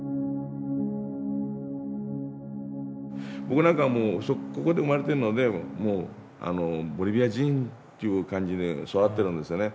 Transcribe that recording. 僕なんかはもうここで生まれてるのでボリビア人っていう感じで育ってるんですよね。